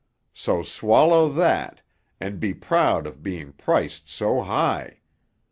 So swallow that, and be proud of being priced so high!